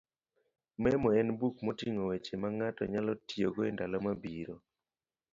Memo en buk moting'o weche mang'ato nyalo tiyogo e ndalo mabiro.